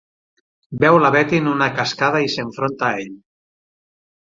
Veu la Betty en una cascada i s'enfronta a ell.